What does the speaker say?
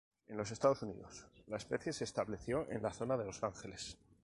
En los Estados Unidos la especie se estableció en la zona de Los Ángeles.